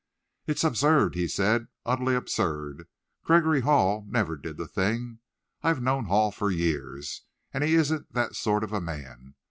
"It's absurd," he said, "utterly absurd. Gregory Hall never did the thing. I've known Hall for years, and he isn't that sort of a man.